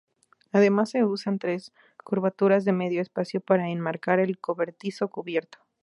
Además, se usan tres curvaturas de medio espacio para enmarcar el cobertizo cubierto.